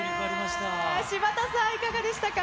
柴田さん、いかがでしたか？